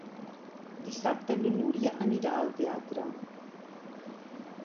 Dissabte na Núria anirà al teatre.